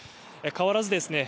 変わらずですね